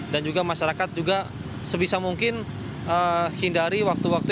dan juga masyarakat juga sebisa mungkin hindari waktu waktu